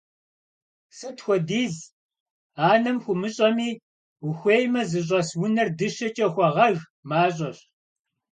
Сыт хуэдиз анэм хуумыщӀэми, ухуеймэ зыщӀэс унэр дыщэкӀэ хуэгъэж – мащӀэщ.